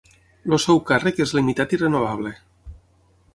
El seu càrrec és limitat i renovable.